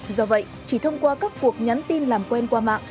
do vậy chỉ thông qua các cuộc nhắn tin làm quen qua mạng